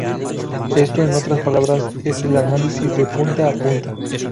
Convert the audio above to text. Esto, en otras palabras, es el análisis de punta a punta.